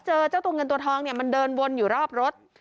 เจอเจ้าตัวเงินตัวทองเนี่ยมันเดินวนอยู่รอบรถ